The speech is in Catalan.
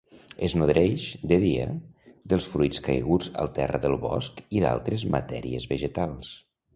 Es nodreix, de dia, dels fruits caiguts al terra del bosc i d'altres matèries vegetals.